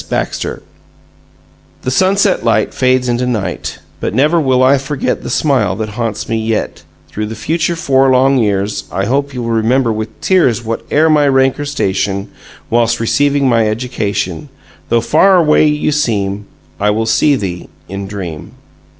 BAXTER The sunset light Fades into night But never will I forget The smile that haunts me yet Through the future four long years I hope you will remember with tears Whate'er my rank or station Whilst receiving my education Though far away you seem I will see thee in dream.